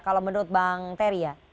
kalau menurut bang terry ya